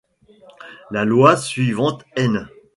La loi suivante n.